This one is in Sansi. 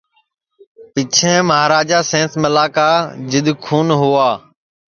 پیچھیں مہاراجا سینس ملا کا جِدؔ کھون ہوا